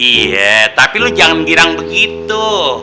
iya tapi lu jangan girang begitu